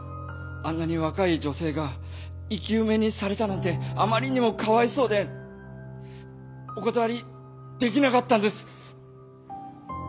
あんなに若い女性が生き埋めにされたなんてあまりにもかわいそうでお断りできなかったんです。